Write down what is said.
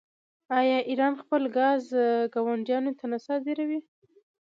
آیا ایران خپل ګاز ګاونډیانو ته نه صادروي؟